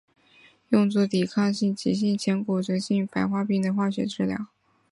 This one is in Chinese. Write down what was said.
用作抵抗性急性前骨髓性白血病的化学疗法。